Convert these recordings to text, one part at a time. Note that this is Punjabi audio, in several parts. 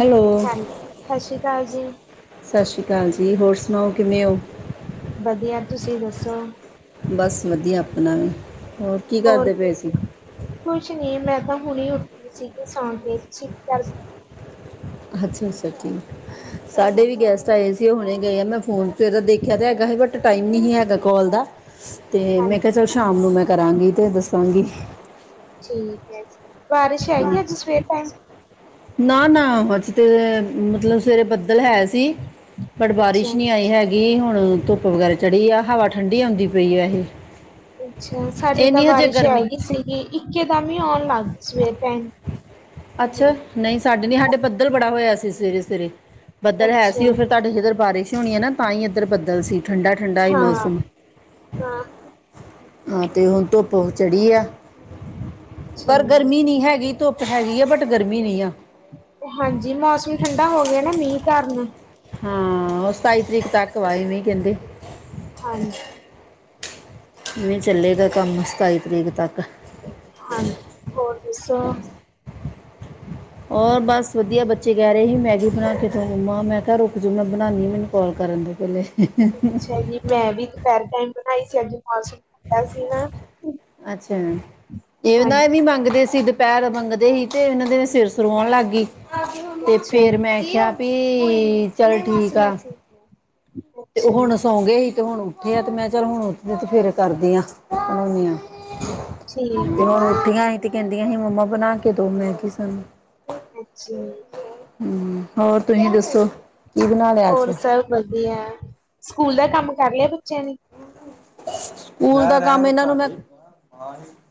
ਹੈਲੋ ਹਾਂਜੀ, ਸਤਿ ਸ੍ਰੀ ਅਕਾਲ ਜੀ। ਸਤਿ ਸ਼੍ਰੀ ਅਕਾਲ ਜੀ, ਹੋਰ ਸੁਣਾਓ ਕਿਵੇਂ ਓ? ਵਧੀਆ, ਤੁਸੀਂ ਦੱਸੋ ਬਸ ਵਧੀਆ ਆਪਣਾ ਵੀ ਹੋਰ ਕੀ ਕਰਦੇ ਪਏ ਸੀ ਕੁਛ ਨੀ, ਮੈਂ ਤਾਂ ਹੁਣੀ ਉੱਠੀ ਸੀਗੀ ਸੌ ਕੇ ਸਿੱ ਕਰਦੀ ਅੱਛਾ-ਅੱਛਾ ਜੀ, ਸਾਡੇ ਹਾਂ ਵੀ ਗੈਸਟ ਆਏ ਹੋਏ ਤੇ ਹੁਣੇ ਗਏ ਆ ਮੈਂ ਫੋਨ ਤੇਰਾ ਦੇਖਿਆ ਤੇ ਹੈਗਾ ਸੀ ਬਟ ਟਾਈਮ ਨਹੀਂ ਸੀ ਹੈਗਾ ਕੋਲ ਦਾ ਤੇ ਮੈਂ ਕਿਹਾ ਹਾਂਜੀ, ਚਲ ਸ਼ਾਮ ਨੂੰ ਮੈਂ ਕਰਾਂਗੀ ਤੇ ਦੱਸਾਂਗੀ ਠੀਕ ਹੈ ਜੀ, ਬਾਰਿਸ਼ ਹੈਗੀ ਅੱਜ ਸਵੇਰ ਟਾਈਮ? ਨਾ-ਨਾ, ਅਜ ਤੇ ਮਤਲਬ ਸਵੇਰੇ ਬੱਦਲ ਹੈ ਸੀ ਸੀ, ਬਟ ਅੱਛਾ, ਬਾਰਿਸ਼ ਨਹੀਂ ਆਈ ਹੈਗੀ ਗੀ ਹੁਣ ਧੁੱਪ ਵਗੈਰਾ ਚੜੀ ਆ ਹਵਾ ਠੰਡੀ ਆਂਦੀ ਪਈ ਆ ਇਹ ਅੱਛਾ ਸਾਡੀ ਇਹ ਤਾਂ ਨਹੀਂ ਹਜੇ ਬਾਰਿਸ਼ ਗਰਮੀ ਹੈਗੀ ਸੀਗੀ ਇੱਕੇ ਦਮ ਈ ਆਉਣ ਲੱਗ ਗਈ ਸਵੇਰ ਟਾਈਮ ਅੱਛਾ ਨਹੀਂ ਸਾਡੇ ਨੀ ਸਾਡੇ ਪੱਦਲ ਬੜਾ ਹੋਇਆ ਸੀ ਸਵੇਰੇ ਸਵੇਰੇ ਬੱਦਲ ਹੈ ਅੱਛਾ, ਸੀ ਓ ਫਿਰ ਤੁਹਾਡੇ ਜਿੱਧਰ ਬਾਰਿਸ਼ ਹੋਣੀ ਹੈ ਨਾ ਤਾਂ ਹੀ ਇੱਧਰ ਬੱਦਲ ਸੀ, ਠੰਡਾ ਠੰਡਾ ਹੀ ਹਾਂ, ਹਾਂ। ਮੌਸਮ ਹਾਂ, ਹਾਂ ਤੇ ਹੁਣ ਧੁੱਪ ਚੜੀ ਐ ਅੱਛਾ ਪਰ ਜੀ, ਗਰਮੀ ਨਈ ਹੈਗੀ ਧੁੱਪ ਹੈਗੀ ਆ ਬਟ ਗਰਮੀ ਨੀ ਆ। ਹਾਂਜੀ ਮੌਸਮ ਠੰਡਾ ਹੋ ਗਿਆ ਨਾ ਮੀਂਹ ਕਾਰਨ ਹਾਂ ਓ ਸਤਾਈ ਤਰੀਕ ਤੱਕ ਇਵੈ ਕੈਂਦੇ ਹਾਂਜੀ ਕਿਵੇਂ ਚੱਲੇਗਾ ਕੰਮ ਸਤਾਈ ਤਰੀਕ ਤੱਕ ਹਾਂਜੀ ਹੋਰ ਦੱਸੋ। ਔਰ ਬਸ ਵਧੀਆ ਬੱਚੇ ਕਹਿ ਰਏ ਸੀ ਮੈਗੀ ਬਣਾ ਕੇ ਤੋ ਮੰਮਾ ਮੈਂ ਕਿਆ ਰੁਕ ਜੋ ਮੈਂ ਬਣਾਣੀ ਮੈਨੂੰ ਕੋਲ ਕਰਨ ਦੇ ਪੈਲੇ [inaudible] ਅੱਛਾ ਜੀ ਮੈਂ ਵੀ ਦੁਪੈਰ ਟੈਮ ਬਣਾਈ ਸੀ ਅੱਜ ਮੌਸਮ ਠੰਡਾ ਸੀ ਨਾ। ਅੱਛਾ ਇਹ ਨਾ ਇਹ ਹਾਂਜੀ ਵੀ ਮੰਗਦੇ ਸੀ। ਪੈਰ ਮੰਗਦੇ ਹੀ ਤੇ ਇਹਨਾਂ ਦੇ ਸਿਰ ਸੋਰ ਵਾਉਣ ਲੱਗ ਗਈ ਤੇ ਅੱਛਾ ਫੇਰ ਜੀ ਮੈਂ ਕਿਆ ਵੀ ਚਲ ਠੀਕ ਆ। ਤੇ ਓ ਅੱਛਾ ਜੀ ਹੁਣ ਸੌਂ ਗਏ ਹੀ ਤੇ ਹੁਣ ਉੱਠੇ ਆ ਤੇ ਮੈਂ ਚੱਲ ਹੁਣ ਉੱਠਦੀ ਤੇ ਫਿਰ ਕਰਦੀ ਹਾਂ ਬਣਾਉਣੀ ਆਂ ਠੀਕ ਤੇ ਹੈ ਹੁਣ ਜੀ ਉਠੀਆਂ ਸੀ ਤੇ ਕੈਂਦੀਆਂ ਹੀ ਮੰਮਾ ਬਣਾ ਕੇ ਦੋ ਮੈਂਗੀ ਸਾਨੂੰ ਅੱਛਾ ਹੂੰ ਹੋਰ ਤੁਸੀਂ ਦੱਸੋ। ਕੀ ਬਣਾ ਲਿਆ ਅੱਜ ਹੋਰ ਸਭ ਵਧੀਆ ਸਕੂਲ ਦਾ ਕੰਮ ਕਰ ਲਿਆ ਬੱਚਿਆਂ ਨੇ ਸਕੂਲ ਦਾ ਕੰਮ ਇਹਨਾਂ ਨੂੰ ਮੈਂ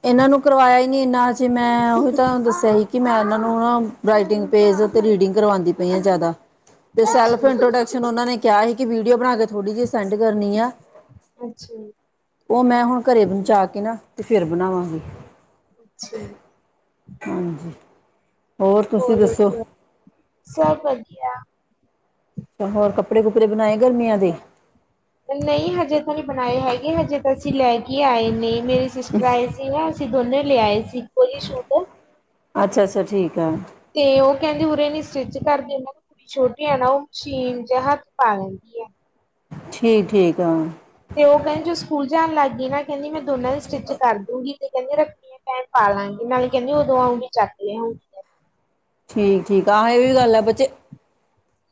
ਇਹਨਾਂ ਨੂੰ ਕਰਵਾਇਆ ਹੀ ਨਈ ਇੰਨਾ ਹਜੇ ਮੈਂ ਉਹੀ ਤਾਂ ਦੱਸਿਆ ਹੀ ਕਿ ਮੈਂ ਇਹਨਾਂ ਨੂੰ ਰਟਿੰਗ ਪੇਜ ਤੇ ਰੀਡਿੰਗ ਕਰਵਾਦੀ ਪਈ ਆ ਜਾਦਾ ਤੇ ਅੱਛਾ ਸੈਲਫ ਜੀ ਇੰਟਰੋਡਕਸ਼ਨ ਉਨਾਂ ਨੇ ਕਿਆ ਹੀ ਕਿ ਵੀਡੀਓ ਬਣਾ ਕੇ ਥੋੜੀ ਜਿਹੀ ਸੈਂਡ ਕਰਨੀ ਆ। ਅੱਛਾ ਓ ਮੈਂ ਹੁਣ ਘਰੇ ਬਚਾ ਕੇ ਨਾ ਤੇ ਫਿਰ ਬਣਾਵਾਂਗੀ। ਅੱਛਾ ਹਾਂਜੀ ਹੋਰ ਤੁਸੀਂ ਹੋਲ ਦੱਸੋ ਵਿਚ ਸਭ ਵਧੀਆ ਤੇ ਹੋਰ ਕੱਪੜੇ ਕੁੱਪੜੇ ਬਣਾਏ ਗਰਮੀਆਂ ਦੇ ਨਈ ਹਜੇ ਤਾਂ ਨਈ ਬਣਾਏ ਹੈਗੇ ਹਜੇ ਤਾਂ ਅਸੀਂ ਲੈ ਕੇ ਆਏ ਨੇ ਮੇਰੇ ਸਿਸਟਰ ਆਏ। ਸੀ ਨਾ ਅਸੀਂ ਦੋਨੇ ਲਿਆਏ ਸੀ ਇੱਕੋ ਜਿਹੇ ਸ਼ੂਟ ਅੱਛਾ-ਅੱਛਾ ਠੀਕ ਹੈ। ਤੇ ਓ ਕੈਂਦੇ ਉਰੇ ਨ ਸਟਿਚ ਕਰਦੇ ਉਹਨਾਂ ਛੋਟੀ ਆ ਨਾ ਓ ਮਸ਼ੀਨ ਜਾਂ ਹੱਥ ਪਾ ਲੈਂਦੀ ਆ। ਠੀਕ ਠੀਕ ਆ। ਤੇ ਓ ਕੈਂਦੀ ਜੋ ਸਕੂਲ ਜਾਣ ਲੱਗ ਗਈ ਨਾ ਕੈਂਦੀ ਮੈਂ ਦੋਨਾਂ ਦੀ ਸਟਿਚ ਕਰ ਦੂੰਗੀ। ਕੈਂਦੀ ਰੱਖੜੀਆਂ ਪੈਣ ਪਾ ਲਾਂਗੇ ਨਾਲੇ ਕੈਂਦੀ ਉਦੋਂ ਆ ਵੀ ਚੱਕ ਲਿਆਂ ਠੀਕ- ਠੀਕ ਆ ਇਹ ਵੀ ਗੱਲ ਹੈ ਬੱਚੇ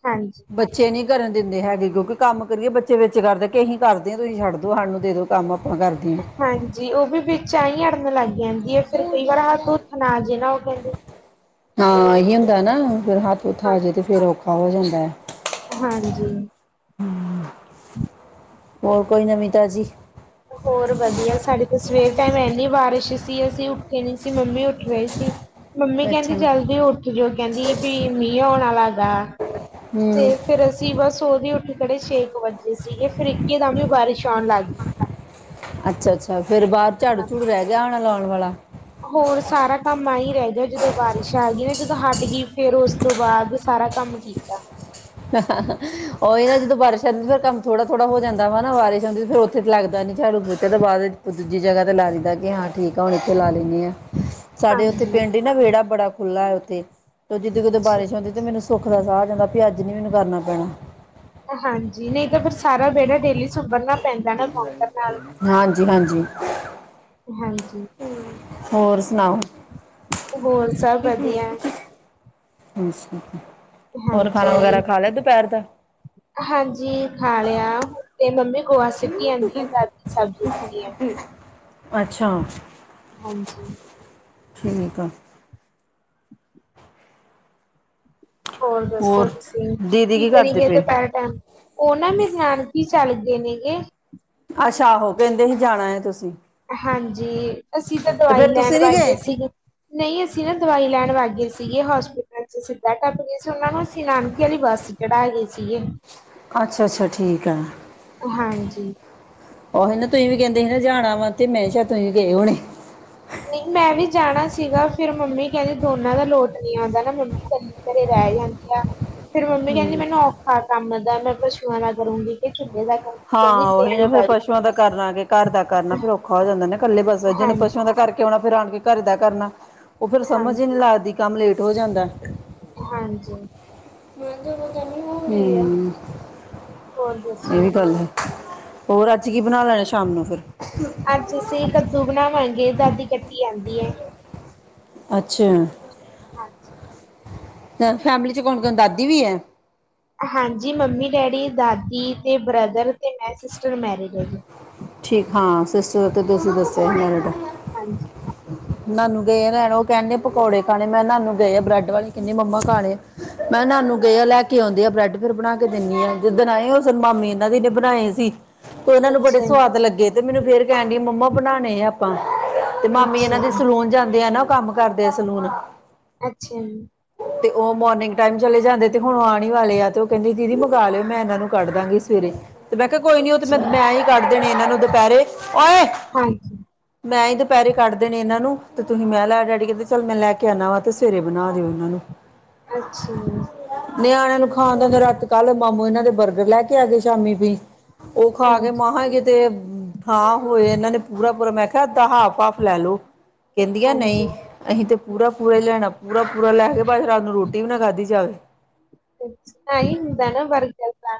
ਹਾਂਜੀ ਬੱਚੇ ਨਈ ਕਰਨ ਦਿੰਦੇ ਹੈਗੇ ਕਿਉਂਕਿ ਕੰਮ ਕਰੀਏ ਬੱਚੇ ਵਿੱਚ ਕਰਦੇ ਕਿ ਅਹੀ ਕਰਦੇ ਤੁਸੀਂ ਛੱਡ ਦੋ ਸਾਨੂੰ ਦੇ ਦੋ। ਕੰਮ ਆਪਾਂ ਕਰਦੇ ਆਂ। ਹਾਂਜੀ ਓ ਵੀ ਵਿੱਚ ਆ ਹੀ ਅੜਨ ਲੱਗ ਜਾਂਦੀ ਹੈ ਫਿਰ ਕਈ ਵਾਰ ਹੱਥ ਹੂੱਥ ਨਾ ਆਜੇ ਨਾ ਓ ਕੈਂਦੇ ਹਾਂ ਇਹੀ ਹੁੰਦਾ ਨਾ ਫਿਰ ਹੱਥ ਹੂਥ ਆਜੇ ਤੇ ਹਾਂਜੀ, ਫਿਰ ਔਖਾ ਹੋ ਜਾਂਦੈ। ਹਾਂਜੀ ਹੂੰ ਹੋਰ ਕੋਈ ਨਵੀਂ ਤਾਜੀ ਹੋਰ ਵਧੀਆ ਸਾਡੇ ਤਾਂ ਸਵੇਰ ਟਾਈਮ ਇੰਨੀ ਬਾਰਿਸ਼ ਸੀ ਅਸੀਂ ਉੱਠੇ ਨਹੀਂ ਸੀ ਮੰਮੀ ਉੱਠ ਰਹੇ ਸੀ ਮੰਮੀ ਕਹਿੰਦੀ ਅੱਛਾ ਜ਼ਲਦੀ ਉੱਠ ਜਾਓ ਕਹਿੰਦੀ ਵੀ ਮੀਂਹ ਆਉਣ ਹੈਗਾ ਹਮ ਤੇ ਫੇਰ ਅਸੀਂ ਸੀਵਾ ਸੋ ਹੀ ਉੱਠ ਖੜੇ ਛੇ ਕੁ ਵੱਜੇ ਸੀਗੇ ਫਿਰ ਇਕੇ ਦਮ ਵੀ ਬਾਰਿਸ਼ ਆਉਣ ਲੱਗ ਗਈ ਅੱਛਾ ਅੱਛਾ ਫੇਰ ਬਾਹਰ ਝਾੜੂ ਗਈ। ਝੂੜੂ ਰਹਿ ਗਿਆ ਹੋਣਾ ਲਾਉਣ ਵਾਲਾ ਹੋਰ ਸਾਰਾ ਕੰਮ ਆਈ ਰਹਿ ਗਿਆ ਜਦੋਂ ਬਾਰਿਸ਼ ਆ ਗਈਆਂ ਨਾ ਜਦੋਂ ਹਟ ਗਈ ਫੇਰ ਉਸ ਤੋਂ ਬਾਅਦ ਸਾਰਾ ਕੰਮ ਕੀਤਾ ਹ ਉਹੀ ਨਾ ਜਦੋਂ ਬਾਰਸ਼ ਆਂਦੀ ਫੇਰ ਕੰਮ ਥੋੜਾ ਥੋੜਾ ਹੋ ਜਾਂਦਾ ਵਾ ਨਾ ਬਾਰਿਸ਼ ਹੁੰਦੀ ਫਿਰ ਇੱਥੇ ਤਾਂ ਲੱਗਦਾ ਨੀ ਝਾੜੂ ਪੋਚਾ ਤੇ ਬਾਅਦ ਚ ਦੂਜੀ ਜਗ੍ਹਾ ਤੇ ਲਾ ਲੈਂਦਾ ਕਿ ਹਾਂ ਠੀਕ ਆ ਹੁਣ ਇੱਥੇ ਲਾ ਲੈਂਦੇ ਹ ਆ ਸਾਡੇ ਉੱਥੇ ਹਾਂਜੀ ਪਿੰਡ ਹੀ ਨਾ ਵਿਹੜਾ ਬੜਾ ਖੁੱਲ੍ਹਾ ਹੈ ਉੱਥੇ ਤੇ ਜਦੋਂ ਕਿਦੋਂ ਬਾਰਿਸ਼ ਹੁੰਦੀ ਤੇ ਮੈਨੂੰ ਸੁੱਖ ਦਾ ਸਾਹ ਆ ਜਾਂਦਾ ਵੀ ਅੱਜ ਨੀ ਮੈਨੂੰ ਕਰਨਾ ਪੈਣਾ ਹਾਂਜੀ ਨਹੀਂ ਤਾਂ ਫਿਰ ਸਾਰਾ ਵਿਹੜਾ ਡੇਲੀ ਸੁੰਬਰਨਾ ਪੈਂਦਾ ਨਾ ਬੋਂਕਰ ਨਾਲ ਹਾਂਜੀ ਹਾਂਜੀ ਹਾਂਜੀ ਤੇ ਹੋਰ ਸੁਣਾਓ ਤੇ ਹੋਰ ਸਭ ਵਧੀਆ ਅੱਛਾ ਹੋਰ ਖਾਣਾ ਵਗੈਰਾ ਹਾਂਜੀ ਖਾ ਲਿਆ ਦੁਪਹਿਰ ਦਾ ਹਾਂਜੀ ਖਾ ਲਿਆ ਤੇ ਮੰਮੀ ਗੋਆ ਸਿੱਟੀ ਆਦੀ ਆ ਤੇ ਅਧ ਸਬਜ਼ੀ ਕੱਟੀ ਆਦੀ ਅੱਛਾ ਹਾਂਜੀ ਠੀਕ ਆ ਹੋਰ ਦੱਸੋ ਤੁਸੀਂ ਦੀਦੀ ਕੀ ਕਰਦੇ ਕਰੀਗਏ ਪਏ ਦੁਪਹਿਰ ਉਹ ਨਾ ਮੇਰੇ ਨਾਨਕੇ ਚੱਲਗੇ ਨੇਗੇ ਅੱਛਾ ਆਹੋ ਕਹਿੰਦੇ ਹੀ ਜਾਣਾ ਆ ਤੁਸੀਂ ਹਾਂਜੀ ਅਸੀਂ ਤਾਂ ਤੇ ਦਵਾਈ ਫਿਰ ਲੈਣ ਤੁਸੀਂ ਨੀ ਵੱਗ ਗਏ ਸੀਗੇ ਨਹੀਂ ਅਸੀਂ ਨਾ ਦਵਾਈ ਲੈਣ ਵੱਗ ਗਏ ਸੀਗੇ ਹੋਸਪਿਟਲ ਚ ਸਿੱਧਾ ਟੱਪ ਗਏ ਸੀ ਉਹਨਾਂ ਨੂੰ ਅਸੀਂ ਨਾਨਕੀ ਵਾਲੀ ਬੱਸ ਸੀ ਕਢਾ ਗਏ ਸੀਗੇ ਅੱਛਾ ਅੱਛਾ ਠੀਕ ਆ ਹਾਂਜੀ। ਉਹੀ ਨਾ ਤੁਸੀਂ ਵੀ ਕਹਿੰਦੇ ਸੀ ਨਾ ਜਾਣਾ ਵਾ ਤੇ ਮੈਂ ਕਿਹਾ ਸ਼ਾਇਦ ਤੁਸੀਂ ਵੀ ਗਏ ਹੋਣੇ ਨਹੀਂ ਮੈਂ ਵੀ ਜਾਣਾ ਸੀਗਾ ਫੇਰ ਮੰਮੀ ਕਹਿੰਦੀ ਦੋਨਾਂ ਦਾ ਲੋਟ ਨਹੀਂ ਆਉਂਦਾ ਨਾ ਮੰਮੀ ਕੱਲੀ ਘਰੇ ਰਹਿ ਜਾਂਦੀ ਆ ਫੇਰ ਮੰਮੀ ਕਹਿੰਦੀ ਮੈਨੂੰ ਔਖਾ ਕੰਮ ਦਾ ਮੈਂ ਪਸ਼ੂਆਂ ਦਾ ਕਰੂੰਗੀ ਕਿ ਚੁੱਲੇ ਦਾ ਕਰੂੰਗੀ ਹਾਂ ਕਹਿੰਦੀ ਉਹੀ ਤੇਰੀ ਨਾ ਫੇਰ ਵਾਰੀ ਪਸੂਆਂ ਦਾ ਕਰਨਾ ਕੇ ਘਰ ਦਾ ਕਰਨਾ ਫਿਰ ਔਖਾ ਹੋ ਜਾਂਦਾ ਨਾ ਇਕੱਲੇ ਬਸ ਜਿਹਨੇ ਹਾਂਜੀ, ਪਸੂਆਂ ਦਾ ਕਰਕੇ ਕੇਉਣਾ ਫਿਰ ਆਣ ਕੇ ਘਰ ਦਾ ਕਰਨਾ ਉਹ ਫੇਰ ਸਮਝ ਹੀ ਨਹੀਂ ਹਾਂਜੀ, ਲੱਗਦੀ ਕੰਮ ਲੇਟ ਹੋ ਜਾਂਦਾ ਹਾਂਜੀ ਹਮ ਹੋਰ ਦੱਸੋ ਇਹ ਵੀ ਗੱਲ ਹੈ ਹੋਰ ਅੱਜ ਕੀ ਬਣਾ ਲਏ ਸ਼ਾਮ ਨੂੰ ਫਿਰ ਅੱਜ ਅਸੀਂ ਕੱਦੂ ਬਣਾਵਾਂਗੇ ਦਾਦੀ ਕੱਟੀ ਜਾਂਦੀ ਹੈ ਅੱਛਾ ਹਾਂਜੀ ਤੇ ਫੈਮਿਲੀ ਚ ਕੌਣ ਕੌਣ ਦਾਦੀ ਵੀ ਹੈ ਹਾਂਜੀ ਮੰਮੀ ਡੈਡੀ ਦਾਦੀ ਤੇ ਬ੍ਰਦਰ ਤੇ ਮੈਂ ਸਿਸਟਰ ਮੈਰਿਡ ਹੈ ਜੀ ਠੀਕ ਹਾਂ ਸਿਸਟਰ ਤੇ ਤੁਸੀਂ ਦੱਸਿਆ ਸੀ ਮੈਰਿਡ ਆ ਹਾਂਜੀ ਨਾਨੂੰ ਗਏ ਇਹ ਲੈਣ ਉਹ ਕਹਿਣਦੇ ਪਕੌੜੇ ਖਾਣੇ ਮੈਂ ਨਾਨੂੰ ਗਏ ਆ ਬ੍ਰੈਡ ਵਾਲੀ ਕਨੇ ਮੰਮਾ ਕਾਲੇ ਮੈਂ ਕਿਹਾ ਨਾਨੂ ਗਏ ਆ ਲੈ ਕੇ ਆਉਂਦੇ ਆ ਬ੍ਰੈਡ ਫਿਰ ਬਣਾ ਕੇ ਦਿੰਨੀ ਆ ਜਿੱਦਣ ਆਏ ਉਸ ਦਿਨ ਮਾਮੀ ਇਹਨਾਂ ਦੀ ਨੇ ਬਣਾਏ ਸੀ। ਤੇ ਉਹਨਾਂ ਨੂੰ ਬੜੇ ਅੱਛਾ ਜੀ ਸਵਾਦ ਲੱਗੇ ਤੇ ਮੈਨੂੰ ਫੇਰ ਕਹਿਣ ਡ ਮੰਮਾ ਬਣਾਣੇ ਆ ਆਪਾ। ਤੇ ਮਾਮੀ ਇਹਨਾਂ ਦੇ ਸਲੂਨ ਜਾਂਦੇ ਆ ਨਾ ਉਹ ਕੰਮ ਕਰਦੇ ਆ ਸਲੂਨ। ਅੱਛਾ ਜੀ। ਤੇ ਉਹ ਮੋਰਨਿੰਗ ਟਾਈਮ ਚਲੇ ਜਾਂਦੇ ਤੇ ਹੁਣ ਆਉਣ ਵਾਲੇ ਆ ਤੇ ਉਹ ਕਹਿੰਦੀ ਦੀਦੀ ਮੰਗਵਾ ਲਿਓ ਮੈਂ ਇਹਨਾਂ ਨੂੰ ਕੱਢ ਦਾਂਗੀ। ਸਵੇਰੇ ਤੇ ਮੈਂ ਕਿਹਾ ਕੋਈ ਅੱਛਾ ਜੀ ਨੀ ਉਹ ਤੇ ਅੱਛਾ ਮੈਂ, ਜੀ ਮੈਂ ਹੀ ਕੱਢ ਦੇਣੇ ਇਹਨਾਂ ਨੂੰ ਦੁਪਹਿਰੇ ਓਓਏ। ਹਾਂਜੀ ਮੈਂ ਹੀ ਦੁਪਹਿਰੇ ਕੱਢ ਦੇਣੇ ਇਹਨਾਂ ਨੂੰ ਤੇ ਤੁਸੀਂ ਮੈਂ ਲੈ ਡੈਡੀ ਕਹਿੰਦੇ ਚੱਲ ਮੈਂ ਲੈ ਕੇ ਆਉਣਾ ਵਾ ਤੇ ਸਵੇਰੇ ਬਣਾ ਦਿਓ ਇਹਨਾਂ ਨੂੰ। ਅੱਛਾ। ਨਿਆਣਿਆਂ ਨੂੰ ਖਾਣ ਦਾ ਦੇ ਰਾਤ ਕੱਲ ਮਾਮੂ ਇਹਨਾਂ ਦੇ ਬਰਗਰ ਲੈ ਕੇ ਆ ਗਏ ਸ਼ਾਮੀ ਵੀ ਉਹ ਹਾਂਜੀ ਮਾਂਹਾ ਕਿਤੇ ਖਾ ਹੋਏ ਇਹਨਾਂ ਨੇ ਪੂਰਾ-ਪੂਰਾ ਮੈਂ ਕਿਹਾ ਅੱਧਾ ਹਾਫ ਹਾਫ ਲੈ ਲੋ। ਕਹਿੰਦੀਆਂ ਨਈ ਹਾਂਜੀ ਅਹੀ ਤੇ ਪੂਰਾ-ਪੂਰਾ ਹੀ ਲੈਣਾ। ਪੂਰਾ-ਪੂਰਾ ਲੈ ਕੇ ਭਾਵੇਂ ਰਾਤ ਨੂੰ ਰੋਟੀ ਵੀ ਨਾ ਖਾਧੀ ਜਾਵੇ। ਅੱਛ ਐ ਹੀ ਹੁੰਦਾ ਨਾ ਬਰਗਰ ਦਾ।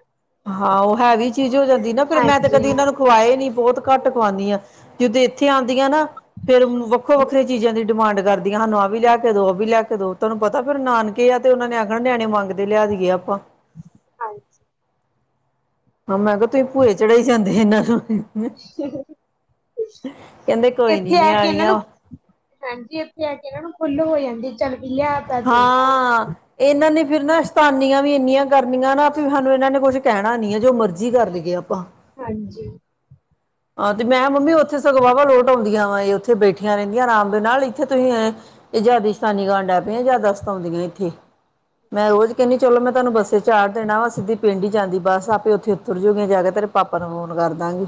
ਹਾਂ ਉਹ ਹੈਵੀ ਚੀਜ਼ ਹੋ ਜਾਂਦੀ ਨਾ ਫੇਰ ਮੈਂ ਤੇ ਹਾਂਜੀ ਕਦੇ ਇਹਨਾਂ ਨੂੰ ਖਵਾਏ ਨੀ ਬੌਤ ਘੱਟ ਹੀ ਖਵਾਉਨੀ ਹਾ। ਜਦੋਂ ਇੱਥੇ ਆਉਂਦੀਆਂ ਨਾ ਫੇਰ ਵੱਖੋ ਵੱਖਰੀ ਚੀਜ਼ਾਂ ਦੀ ਡਿਮਾਂਡ ਕਰਦੀਆਂ ਸਾਨੂੰ ਆਹ ਵੀ ਲੈ ਕੇ ਦਓ ਉਹ ਵੀ ਲੈ ਕੇ ਦੋ, ਤੁਹਾਨੂੰ ਪਤਾ ਫਿਰ ਨਾਨ ਕੀ ਆ ਤੇ ਉਹਨਾਂ ਨੇ ਆਖਣਾ ਨਿਆਣੇ ਮੰਗਦੇ ਲਿਆ ਦੀਈਏ ਆਪਾਂ। ਹਾਂਜੀ ਹਾਂ ਮੈਂ ਕਿਹਾ ਤੁਸੀ ਭੂਏ ਚੜਾਈ ਜਾਂਦੇ ਇਹਨਾਂ ਨੂੰ। ਕਹਿੰਦੇ ਕੋਈ ਨੀ ਇੱਥੇ ਆ ਕੇ ਇਹਨਾਂ ਨੂੰ ਨਿਆਣੀਆ ਹਾਂਜੀ ਇੱਥੇ ਆ ਕੇ ਇਨਾ ਨੂੰ ਖੁੱਲ ਹੋ ਜਾਂਦੀ ਚੱਲ ਵੀ ਲਿਆ ਤਾਂ ਦੇ ਹਾਂ ਇਹਨਾਂ ਨੇ ਫਿਰ ਨਾ ਸ਼ਤਾਨੀਆਂ ਵੀ ਇੰਨੀਆਂ ਕਰਨੀਆਂ ਨਾ ਹਾਨੂੰ ਇਹਨਾਂ ਨੇ ਕੁੱਛ ਕਹਿਣਾ ਨੀ ਹੈ ਜੋ ਮਰਜ਼ੀ ਕਰ ਲਈਏ ਆਪਾ। ਹਾਂਜੀ। ਆ ਤੇ ਮੈਂ ਮੰਮੀ ਉੱਥੇ ਸਗੋਂ ਵਾਵਾ ਲੋਟ ਆਉਂਦੀਆ ਵਾ ਇਹ ਉੱਥੇ ਬੈਠੀਆ ਰਹਿੰਦੀਆ ਆਰਾਮ ਦੇ ਨਾਲ ਇੱਥੇ ਤੁਸੀਂਂ ਇਹ ਇਹ ਜਾਦਾ ਹੀ ਸਤਾਨੀ ਕਨ ਲੱਗ ਪਈਆ ਜਾਦਾ ਸਤੋਂਦੀਆ ਇੱਥੇ ਮੈਂ ਰੋਜ਼ ਕਹਿੰਦੀ ਚਲੋ ਮੈਂ ਤੁਹਾਨੂੰ ਬੱਸੇ ਚਾਰ ਦਿਨ ਆ ਵਾ ਸਿੱਧੀ ਪਿੰਡ ਹੀ ਜਾਂਦੀ ਬਸ ਆਪੇ ਉੱਥੇ ਉਤਰ ਜੂਗੀਆਂ ਜਾ ਕੇ ਤੇਰੇ ਪਾਪਾ ਨੂੰ ਫੋਨ ਕਰ ਦਾਂਗੀ।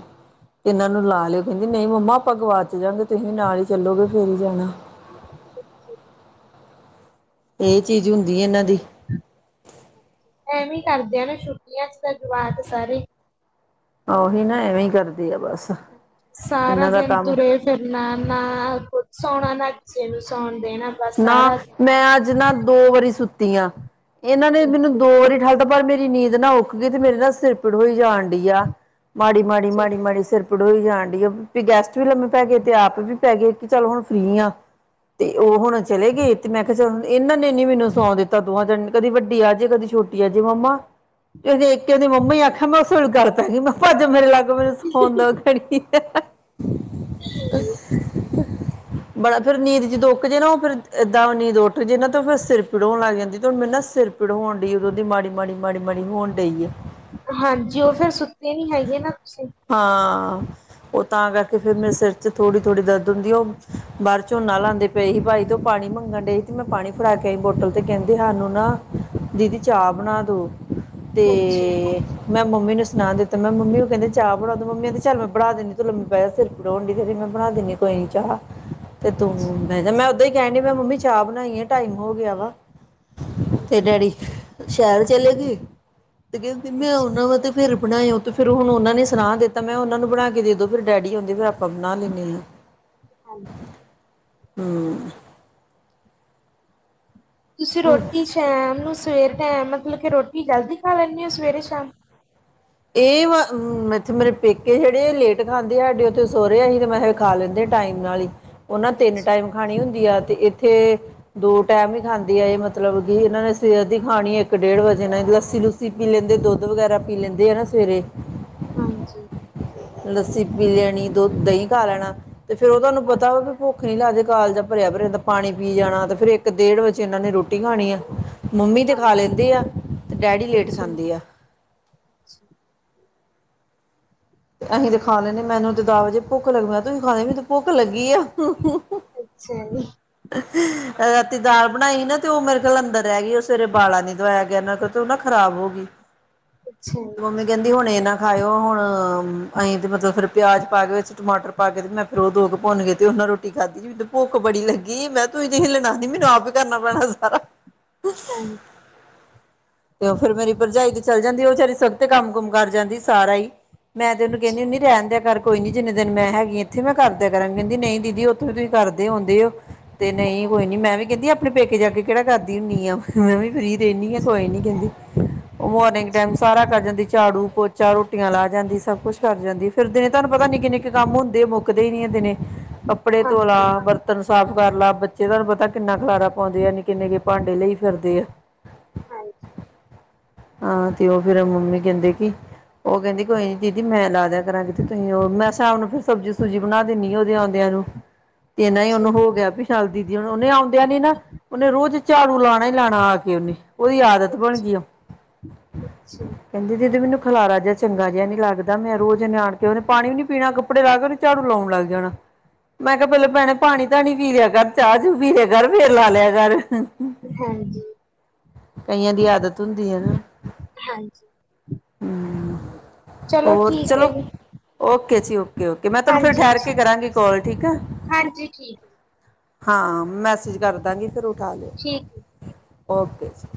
ਇਹਨਾਂ ਨੂੰ ਲਾ ਲਿਓ ਕਹਿੰਦੀ ਨਹੀਂ ਮੰਮਾ ਆਪਾਂ ਗਵਾਚ ਜਾਗੇ ਤੁਸੀਂ ਵੀ ਨਾਲ ਹੀ ਚੱਲੋਗੇ ਫੇਰ ਹੀ ਜਾਣਾ। ਇਹ ਚੀਜ਼ ਹੁੰਦੀ ਹੈ ਇਹਨਾਂ ਦੀ। ਐਵੇਂ ਹੀ ਕਰਦਿਆਂ ਨੇ ਛੁੱਟੀਆ ਚ ਤਾਂ ਜਵਾਤ ਸਾਰੇ। ਉਹੀ ਨਾ ਐਵੇਂ ਕਰਦੀ ਆ ਬਸ। ਸਾਰਾ ਇਹਨਾਂ ਦਾ ਦਿਨ ਕੰਮ ਤੁਰੇ ਫਿਰਨਾ ਨਾ ਕੁਛ ਸੋਣਾ ਨਾ ਕਿਸੇ ਨੂੰ ਸੌਣ ਦੇਣਾ ਬਸ ਨਾ ਸਾਰਾ ਮੈਂ ਅੱਜ ਨਾ ਦੋ ਵਾਰੀ ਸੁੱਤੀ ਆ ਇਹਨਾਂ ਨੇ ਮੈਨੂੰ ਅੱਛਾ, ਦੋ ਵਾਰੀ ਠਾ ਵਾਰ ਮੇਰੀ ਨੀਂਦ ਨਾ ਉਖ ਗਈ ਤੇ ਮੇਰੇ ਨਾ ਸਿਰ ਪੜ ਹੋਈ ਜਾਣ ਡੀ ਆ ਮਾੜੀ-ਮਾੜੀ, ਮਾੜੀ-ਮਾੜੀ ਸਿਰ ਪੀ ਪੜੋਈ ਜਾਣ ਡੀ ਆ ਵੀ ਗੈਸਟ ਵੀ ਲੰਮੇ ਪੈ ਗਏ ਤੇ ਆਪ ਵੀ ਪੈ ਗਏ ਕਿ ਚੱਲ ਹੁਣ ਫ੍ਰੀ ਆ। ਤੇ ਉਹ ਹਾਂਜੀ ਹੁਣ ਚਲੇ ਗਏ ਤੇ ਮੈਂ ਕਿਹਾ ਚਲ ਇਹਨਾਂ ਨੇ ਨੀ ਮੈਨੂੰ ਸੌਂ ਦਿੱਤਾ ਦੋਹਾਂ ਜਣ ਕਦੀ ਵੱਡੀ ਆ ਜੇ ਕਦੀ ਛੋਟੀ ਆ ਜੇ ਮੰਮਾ ਇੱਕ ਉਹਦੀ ਮੰਮੀ ਆਖਿਆ ਮੈਂ ਉਹ [unintelligible] ਮੈਂ ਭਾਜ ਮੇਰੇ ਲਾਗੋ ਮੈਨੂੰ ਸੌਣ ਦੋ ਖੜੀ ਬੜਾ ਫੇਰ ਨੀਂਦ ਜ਼ਿੱਦ ਉਕ ਜੇ ਨਾ ਉਹ ਫਿਰ ਏਦਾਂ ਵੀ ਨੀਂਦ ਉੱਠ ਜੇ ਨਾ ਫਿਰ ਸਿਰ ਪੀੜ ਹੋਣ ਲੱਗ ਜਾਂਦੀ ਤੇ ਹੁਣ ਮੈਨ ਨਾ ਸਿਰ ਪੜ ਹੋਣ ਡੀ ਏ ਉਦੋਂ ਦੀ ਮਾੜੀ-ਮਾੜੀ। ਮਾੜੀ-ਮਾੜੀ ਹੋਣ ਡਈ ਐ। ਹਾਂਜੀ। ਉਹ ਫੇਰ ਸੁੱਤੇ ਨੀ ਹੈਗੇ ਨਾ ਤੁਸੀਂ। ਹਾਂ। ਉਹ ਤਾਂ ਕਰਕੇ ਫੇਰ ਮੇ ਸਿਰ ਚ' ਥੋੜ੍ਹੀ ਥੋੜੀ ਦਰਦ ਹੁੰਦੀ, ਉਹ ਬਾਹਰ ਝੋਨਾ ਲਾਉਦੇ ਪਏ ਸੀ ਭਾਈ। ਜਦੋਂ ਪਾਣੀ ਮੰਗਣ ਡਈ ਸੀ ਤੇ ਮੈਂ ਪਾਣੀ ਫੜਾ ਕੇ ਆਈ ਬੋਟਲ ਤੇ ਕਹਿੰਦੇ ਸਾਨੂੰ ਨਾ ਦੀਦੀ ਚਾਹ ਬਣਾ ਦੋ। ਅੱਛਾ ਅੱਛਾ ਤੇੇੇੇੇੇਏ ਮੈਂ ਮੰਮੀ ਨੂੰ ਸੁਣਾ ਦਿੱਤਾ ਮੈਂ ਮੰਮੀ ਨੂੰ ਕਹਿੰਦੀ ਚਾਹ ਬਣਾਉਂ ਮ ਮੰਮੀ ਕਹਦੀ ਚ' ਮੈਂ ਬਣਾ ਦੰਦੀੂੰ ਮ ਪਆ ਸਿਰ ਪੜਾਉਣ ਡ ਤੇ ਮੈਂ ਬਣਾ ਦਿੰਦੀ ਕੋਈ ਨੀ ਚਾਹ। ਤੇ ਤੂੰ ਮੈਂ ਕਿਹਾ, ਮੈ ਹੀ ਕਹਿਣ ਡਈ ਮੈਂ ਮੰਮੀ ਚਾਹ ਬਣਾਈ ਏ ਟਾਈਮ ਹੋ ਗਿਆ ਵਾ। ਹਾਂਜੀ ਤੇ ਡੈਡੀ ਸ਼ਹਿਰ ਚਲੇ ਗਏ। ਤੇ ਕਹਿੰਦੀ ਮੈਂ ਅੱਛਾ ਉਹਨਾਂ ਵਾ ਤੇ ਫਿਰ ਬਣਾਇਓ ਤੇ ਫਿਰ ਹੁਣ ਉਹਨਾਂ ਨੇ ਸਣਾਹ ਦਿੱਤਾ ਮੈਂ, ਉਹਨਾਂ ਨੂੰ ਬਣਾ ਕੇ ਦੇ ਦੋ ਫਿਰ ਡੈਡੀ ਆਉਂਦੇ ਫਿਰ ਆਪਾਂ ਬਣਾ ਲੈਂਦੇ ਹਾਂ। ਹਾਂਜੀ। ਹੂ ਤੁਸੀਂ ਰੋਟੀ ਸ਼ਾਮਾਮ ਨੂੰ ਸਵੇਰ ਟਾਈਮ ਮਤਲਬ ਕਿ ਰੋਟੀ ਜਲਦੀ ਖਾ ਲੈਂਦੇ ਹੋ ਸਵੇਰੇ- ਸ਼ਾਮ? [inaudible] ਇਹ ਵ ਇੱਥੇ ਮੇਰੇ ਪੇਕੇ ਜਿਹੜੇ ਲੇਟ ਖਾਂਂਦੇ ਆ ਸਾਡੇ ਉੱਥੇ ਸੋਹੁਰਿਆ ਸੀ ਤੇ ਮੈਂ ਖਾ ਲੈਂਦੇ ਟਾਈਮ ਨਾਲ ਹੀ। ਉਹਨਾਂ ਤਿੰਨ ਅੱਛਾ ਟਾਈਮ ਖਾਣੀ ਹੁੰਦੀ ਆ ਤੇ ਇੱਥੇ ਦੋ ਟਾਈਮ ਹੀ ਖਾਂਦੀ ਆ ਇਹ ਮਤਲਬ ਕਿ ਇਹਨਾਂ ਨੇ ਸਿਹਤ ਦੀ ਖਾਣੀ ਇੱਕ-ਡੇਢ ਵਜੇ ਨਾਲ ਲੱਸੀ-ਲੁੱਸੀ ਪੀ ਲੈਂਦੇ ਦੁੱਧ ਦੁੱਧ ਵਗੈਰਾ ਪੀ ਲੈਂਦੇ ਆ ਨਾ ਸਵੇਰੇ। ਹਾਂਜੀ। ਲੱਸੀ ਪੀ ਲੈਣੀ, ਦੁੱਧ, ਦਹੀਂ ਖਾ ਲੈਣਾ ਤੇ ਫੇਰ ਉਹ ਤੁਹਾਨੂੰ ਪਤਾ ਹਾਂਜੀ ਵਾ ਵੀ ਭੁੱਖ ਨੀ ਲਾਦੇ ਕਾਲਜਾ ਭਰਿਆ- ਭਰ ਰਹਿਂਦਾ, ਪਾਣੀ ਪੀ ਜਾਣਾ ਤੇ ਫੇਰ ਇੱਕ-ਡੇਢ ਵਜੇ ਇਹਨਾਂ ਨੇ ਰੋਟੀ ਖਾਣੀ ਅ। ਮੰਮੀ ਤੇ ਖਾ ਹਾਂਜੀ ਲੈਂਦੇ ਆ। ਤੇ ਡੈਡੀ ਲੇਟ ਅੱਛਾ ਖਾਂਦੇ ਆ। ਤੇ ਤੇ ਅਸੀਂ ਤੇ ਖਾ ਲੈਣੇਦੇ ਮੈਨੂੰ ਤੇ ਦਾ ਵਜੇ ਭੁੱਖ ਲੱਗ ਮੈਂ ਤੁਸੀਂ ਖਾ ਲੋਗੇ ਤ ਭੁੱਖ ਲੱਗੀ ਆ। ਅੱਛਾ ਅੱਛਾ ਜੀ [unintelligible] ਰਾਤੀ ਦਾਲ ਬਣਾਈ ਨਾ ਤੇ ਉਹ ਮੇਰੇ ਕੋਲ ਅੰਦਰ ਰਹਿ ਗਈ, ਉਹ ਸਵੇਰੇ ੳਬਾਲਾ ਨੀ ਦਵਾਇਆ ਗਿਆ ਉਹਨਾਂ ਕੋਲ। ਤ ੳਨਾ ਖ਼ਰਾਬ ਹੋ ਗਈ। ਅੱਛਾ ਤੇ ਜੀ ਮੰਮੀ ਕਹਿੰਦੀ ਹੁਣ ਇਹ ਨਾ ਖਾਓ ਹੁਣ ਅਸੀਂ ਤੇ ਮਤਲਬ ਫੇਰ ਪਿਆਜ ਪਾ ਕੇ, ਵਿੱਚ ਟਮਾਟਰ ਪਾ ਕੇ, ਤੇ ਮੈਂ ਫਿਰ ਉਹ ਦੋ ਕੁ ਭੁੰਨ ਗਏ ਤੇ ਉਹਨਾਂ ਰੋਟੀ ਖਾਧੀ। ਤੇ ਭੁੱਖ ਬੜੀ ਲੱਗੀ, ਮੈਂ ਤੋ ਤੁਸੀ ਹੀਲਣਾਂ ਨਹੀ ਮੈਨੂੰ ਆਪ ਕਰਨਾ ਪੈਣਾ ਸਾਰਾ। ਹਾਂਜੀ ਤੇ ਉਹ ਫੇਰ ਮੇਰੀ ਭਰਜਾਈ ਤੇ ਚੱਲ ਜਾਂਦੀ ਉਹ ਵਿਚਾਰੀ ਸਵਖਤੇ ਕੰਮ-ਕੁਮ ਕਰ ਜਾਂਦੀ ਸਾਰਾ ਹੀ। ਮੈਂ ਤੇ ਉਹਨੂੰ ਅੱਛਾ ਕਹਿੰਦੀ ਹੁੰਦੀ ਰਹਿਣ ਦਿਆ ਕਰ। ਕੋਈ ਨੀ ਜਿੰਨੇ ਦਿਨ ਮੈਂ ਹੈਗੀ ਇੱਥੇ ਮੈਂ ਕਰਦਿਆਂ ਕਰਾਂਗੀ, ਕਹਿੰਦੀ ਨਹੀਂ ਦੀਦੀ ਉੱਥੇ ਤਾ ਤੁਸੀਂ ਕਰਦੇ ਹੋਂਦੇ ਹੋ। ਤੇ ਨਹੀਂ ਕੋਈ ਨੀ ਹਾਂਜੀ ਮੈਂ ਵੀ ਕਹਿੰਦੀਅ ਆਪਣੇ ਪੇਕੇ ਜਾ ਕੇ ਕਿਹੜਾ ਕਰਦੀ ਹੁੰਦੀ ਆ। ਫੇਰ ਮੈਂ ਵੀ ਫਰੀ ਤੇ ਇਨੀ ਆ ਕੋਈ ਨੀ ਕਹਿੰਦੀ ਉਹ ਮੋਰਨਿੰਗ ਟਾਈਮ ਅੱਛਾ ਸਾਰਾ ਕਰ ਜਾਂਦੀ। ਝਾੜੂ, ਚਾਰ ਰੋਟੀਆਂ ਲਾ ਜਾਂਦੀ। ਸਭ ਕੁੱਛ ਕਰ ਜਾਂਦੀ ਫਿਰ ਤੇ ਤੁਹਾਨੂੰ ਪਤਾ ਨਿੱਕੇ-ਨਿੱਕੇ ਕੰਮ ਹੁੰਦੇ ਮੁੱਕਦੇ ਹੀ ਨ ਹੈ ਦਿਨੇ। ਕੱਪੜੇ ਧੋ ਲਾ ਹਾਂਜੀ ਬਰਤ ਬਰਤਨ ਸਾਫ਼ ਕਰ ਲਾ, ਬੱਚੇਦਾ ਤੇ ਪਤਾ ਕਿੰਨਾ ਖਲਾਰਾ ਪਾਉਂਦੇ ਆ ਨਿੱਕੇ ਨਿੱਕੇ ਭਾਂਡੇ ਲਈ ਫਿਰਦੇ ਆ। ਹਾਂ। ਹਾਂ, ਤੇ ਉਹ ਫੇਰ ਮੰਮੀ ਕਹਿੰਦੇ ਕਿ, ਉਹ ਕਹਿੰਦੀ ਕੋਈ ਦੀਦੀ ਮੈਂ ਲਾਦਿਆ ਕਰਾਂਗੀ ਤੁਸੀਂ ਉਹ ਮੈਂ ਸ਼ਾਮ ਨੂੰ ਫਿਰ ਸਬਜ਼ੀ-ਸੁਬਜ਼ੀ ਬਣਾ ਦਿੰਦੀ ਹ ਉਹਦੇ ਆਉਂਦਿਆਂ ਨੂੰ। ਤੇਨਾ, ਉਹਨੂੰ ਹਾਂਜੀ ਹੋ ਗਿਆ ਪੀਸ਼ਾਲ ਦੀਦੀ, ਉਹਨੇ ਆਉਦਿਆਂ ਨੀ ਨਾ, ਉਹਨੇ ਰੋਜ ਝਾੜੂ ਲਾਣਾ ਈ ਲਾਣਾ ਆ ਕੇ ਉਹਨੇ। ਉਹਦੀ ਆਦਤ ਅੱਛਾ ਬਣ ਅੱਛਾ ਗਈ ਆ। ਅੱਛਾ ਕਹਿੰਦੀ ਦੀਦੀ ਮੈਨੂੰ ਖਲਾਰਾ ਜਿਹਾ ਚੰਗਾ ਜਿਹਾ ਨੀ ਲੱਗ ਲਗਦਾ। ਮੈਂ ਰੋਜ਼ ਐਨੇ ਆਣਕੇ ਉਹਨੇ ਪਾਣੀ ਵੀ ਨੀ ਪੀਣਾ, ਕੱਪੜੇ ਲਾ ਕੇ ੳਹਨੇ ਝਾੜੂ ਲਾਉਣ ਲੱਗ ਜਾਣਾ। ਮੈਂ ਕਿਹਾ ਪਹਿਲਾ ਅੱਛਾ। ਭੈਣੇ ਪਾਣੀ-ਧਾਣੀ ਪੀ ਲਿਆ ਕਰ, ਚਾਹ-ਚੂ ਪੀ ਲਿਆ ਕਰ ਫੇਰ ਲਾ ਲਿਆ ਕਰ। ਹਾਂਜੀ। ਕਈਆਂ ਦੀ ਆਦਤ ਹੁੰਦੀ ਹੈ ਨ। ਹਾਂਜੀ ਹੰਮ੍ਰਮ ਚਲੋ ਹੋਰ, ਠੀਕ ਹੈ ਚਲੋ ਜੀ, ਓਕੇ ਜੀ ਓਕੇ। ਓਕੇ-ਓਕੇ। ਮੈਂ ਤੁਹਾਨੂੰ ਫਿਰ ਹਾਂਜੀ, ਠੈਰ ਕੇ ਕਰਾਂਗੀ ਕਾਲ ਠੀਕ ਹੈ। ਹਾਂਜੀ ਠੀਕ, ਹਾਂ। ਮੈਸੇਜ ਕਰਦਾਂਗੀ ਫਿਰ ਉਠਾ ਲਓ। ਠੀਕ। ਓਕੇ ਜੀ।